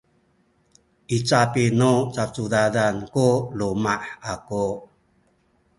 i capi nu cacudadan ku luma’ aku